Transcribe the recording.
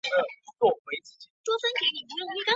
诈骗集团